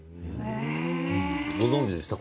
ご存じでしたか？